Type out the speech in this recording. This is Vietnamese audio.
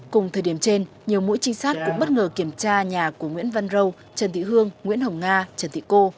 cùng thời điểm trên nhiều mũi trinh sát cũng bất ngờ kiểm tra nhà của nguyễn văn râu trần thị hương nguyễn hồng nga trần thị cô